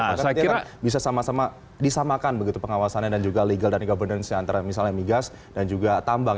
karena saya kira bisa sama sama disamakan begitu pengawasannya dan juga legal dan governancenya antara misalnya migas dan juga tambang